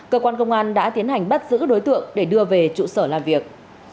cơ quan công an đã tiến hành bắt giữ đối tượng để đưa về trụ sở làm việc